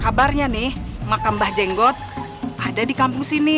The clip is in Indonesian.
kabarnya nih makam bajenggot ada di kampus ini